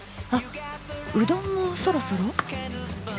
うどんもそろそろ？